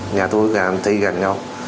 nhà tôi và anh thì gần nhau